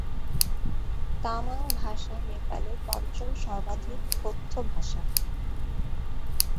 তামাং ভাষা নেপালের পঞ্চম সর্বাধিক কথ্য ভাষা।